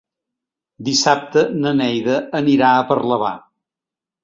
Dissabte na Neida anirà a Parlavà.